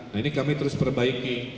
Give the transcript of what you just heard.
nah ini kami terus perbaiki